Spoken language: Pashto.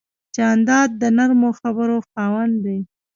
جانداد د نرمو خبرو خاوند دی.